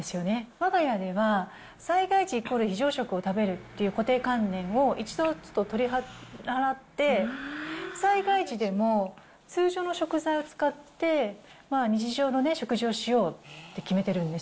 わが家では、災害時、非常食を食べるっていう固定観念を一度ちょっと取り払って、災害時でも通常の食材を使って、日常の食事をしようって決めてるんです。